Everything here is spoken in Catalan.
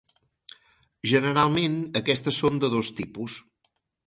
Generalment aquestes són de dos tipus.